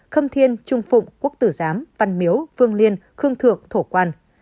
khâm thiên trung phụng quốc tử giám văn miếu phương liên khương thượng thổ quan